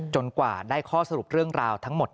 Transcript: กว่าได้ข้อสรุปเรื่องราวทั้งหมด